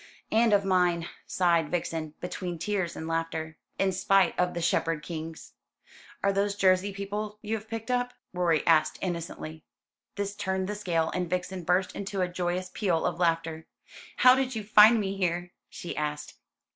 "And of mine," sighed Vixen, between tears and laughter, "in spite of the Shepherd Kings." "Are those Jersey people you have picked up?" Rorie asked innocently. This turned the scale, and Vixen burst into a joyous peal of laughter. "How did you find me here?" she asked.